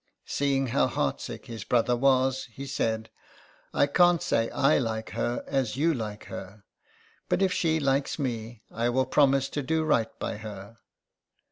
Seeing how heart sick his brother was, he said, " I can't say I like her as you like her ; but if she likes me I will promise to do right by her.